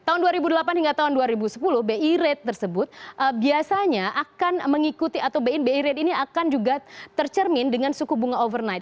tahun dua ribu delapan hingga tahun dua ribu sepuluh bi rate tersebut biasanya akan mengikuti atau bi rate ini akan juga tercermin dengan suku bunga overnight